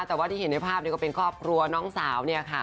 แต่ว่าที่เห็นในภาพก็เป็นครอบครัวน้องสาวเนี่ยค่ะ